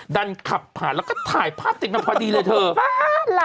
ดันขับผ่านแล้วก็ถ่ายภาพติดกันพอดีเลยเถอะ